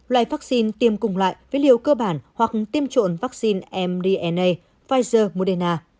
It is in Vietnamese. loại vắc xin tiêm cùng loại với liều cơ bản hoặc tiêm trộn vắc xin mdna pfizer moderna